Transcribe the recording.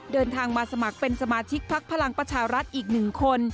เดินทางมาสมัครเป็นสมาชิกพักพลังประชารัฐอีก๑คน